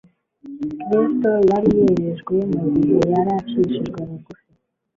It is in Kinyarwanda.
Kristo yari yererejwe mu gihe yari acishijwe bugufi.